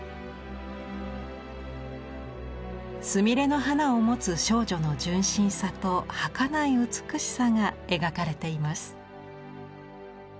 スミレの花を持つ少女の純真さとはかない美しさが描かれています。